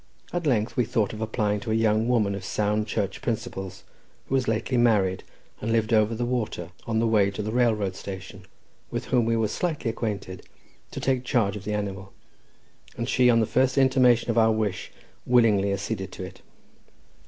At length we thought of applying to a young woman of sound Church principles, who was lately married, and lived over the water on the way to the railroad station, with whom we were slightly acquainted, to take charge of the animal; and she, on the first intimation of our wish, willingly acceded to it.